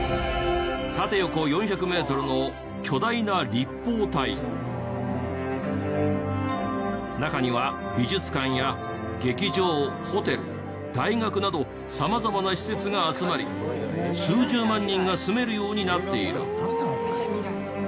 縦横中には美術館や劇場ホテル大学など様々な施設が集まり数十万人が住めるようになっている。